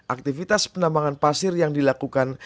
aktivitas penambangan pasir yang dilakukan